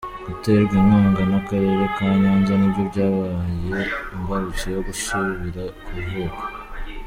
Guterwa inkunga n’akarere ka Nyanza nibyo byabaye imbarutso yo gusubira ku ivuko.